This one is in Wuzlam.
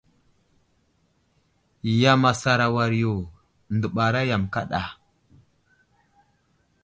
Yam asar a war yo, dəɓara yam kaɗa.